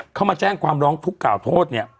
เข้ามาแจ้งความร้องทุกข์กล่าวโทษเนี่ย